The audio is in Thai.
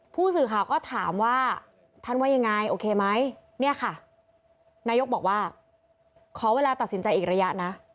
ผู้สื่อข่าวก็ถามว่าท่านว่ายังไงโอเคไหมเนี่ยค่ะนายกบอกว่าขอเวลาตัดสินใจอีกระยะนะ